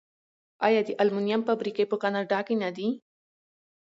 آیا د المونیم فابریکې په کاناډا کې نه دي؟